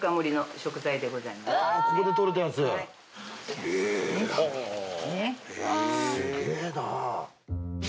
すげえなぁ。